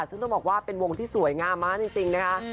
ซึ่งต้องบอกว่าเป็นวงที่สวยงามมากจริงนะคะ